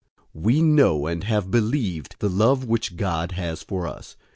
004:016 We know and have believed the love which God has for us.